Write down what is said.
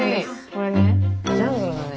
これねジャングルだね。